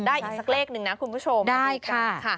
อีกสักเลขหนึ่งนะคุณผู้ชมใช่ค่ะ